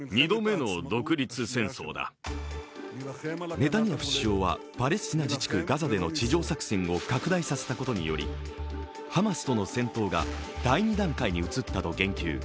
ネタニヤフ首相はパレスチナ自治区ガザでの地上作戦を拡大させたことにより、ハマスとの戦闘が第２段階に移ったと言及。